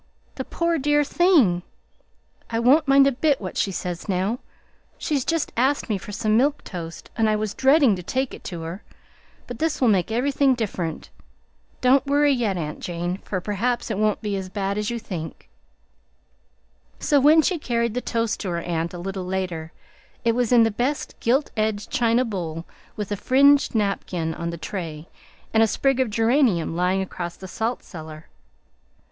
the poor dear thing! I won't mind a bit what she says now. She's just asked me for some milk toast and I was dreading to take it to her, but this will make everything different. Don't worry yet, aunt Jane, for perhaps it won't be as bad as you think." So when she carried the toast to her aunt a little later, it was in the best gilt edged china bowl, with a fringed napkin on the tray and a sprig of geranium lying across the salt cellar.